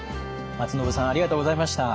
松延さんありがとうございました。